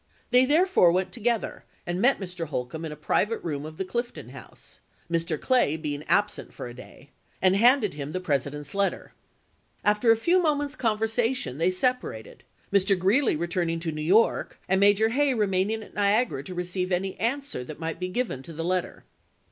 They therefore went together and met Mr. Holcombe in July, is&l a private room of the Clifton House (Mr. Clay be ing absent for a day), and handed him the Presi dent's letter. After a few moments' conversation they separated, Mr. Greeley returning to New York and Major Hay remaining at Niagara to receive any answer that might be given to the let ter.